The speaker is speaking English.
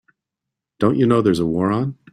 Don't you know there's a war on?